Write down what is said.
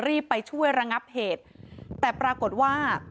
รีบไปช่วยระงับเหตุแต่ปรากฏว่า